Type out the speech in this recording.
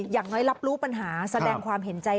อย่างน้อยรับรู้ปัญหาแสดงความเห็นใจ